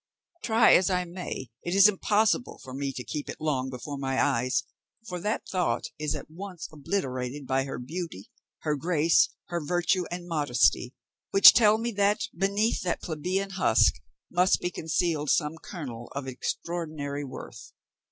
Try as I may, it is impossible for me to keep it long before my eyes; for that thought is at once obliterated by her beauty, her grace, her virtue, and modesty, which tell me that, beneath that plebeian husk, must be concealed some kernel of extraordinary worth.